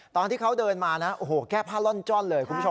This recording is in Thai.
ตอนที่เขาเดินมานะโอ้โหแก้ผ้าล่อนจ้อนเลยคุณผู้ชม